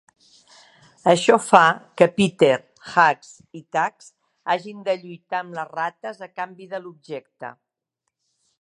Això fa que Peter, Hugs i Tugs hagin de lluitar amb les rates a canvi de l'objecte.